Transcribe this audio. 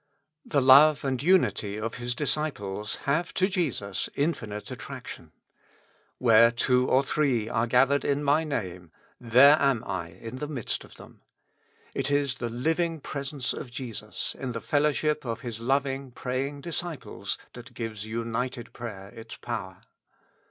The love and unity of His disciples have to Jesus infinite attraction ;" Where two or three are gathered in my Name, thei^e am I in the midst of them.'" It is the living presence of Jesus, in the fellowship of His loving praying disciples, that gives united prayer its power.